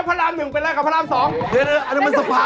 พระน้ำหนึ่งกับพระน้ำสองเป็นอะไรกัน